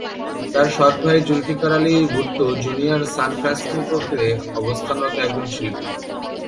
তার সৎ ভাই জুলফিকার আলী ভুট্টো জুনিয়র সান ফ্রান্সিসকোতে অবস্থানরত একজন শিল্পী।